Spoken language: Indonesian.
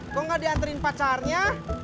kok gak dianterin pacarnya